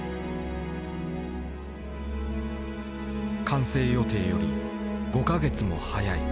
完成予定より５か月も早い。